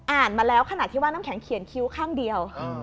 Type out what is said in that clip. มาแล้วขณะที่ว่าน้ำแข็งเขียนคิ้วข้างเดียว